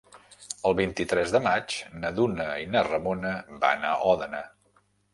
El vint-i-tres de maig na Duna i na Ramona van a Òdena.